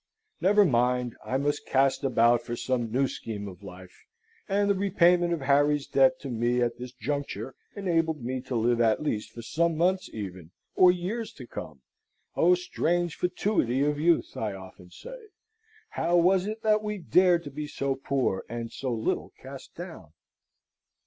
Never mind, I must cast about for some new scheme of life; and the repayment of Harry's debt to me at this juncture enabled me to live at least for some months even, or years to come. O strange fatuity of youth! I often say. How was it that we dared to be so poor and so little cast down?